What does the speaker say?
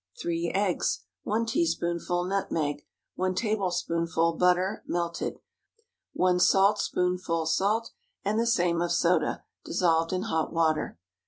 3 eggs. 1 teaspoonful nutmeg. 1 tablespoonful butter—melted. 1 saltspoonful salt, and the same of soda, dissolved in hot water.